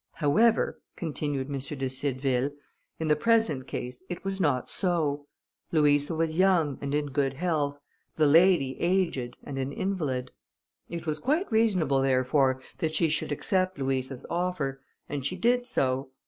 However, continued M. de Cideville, in the present case, it was not so. Louisa was young, and in good health, the lady aged, and an invalid. It was quite reasonable, therefore, that she should accept Louisa's offer, and she did so.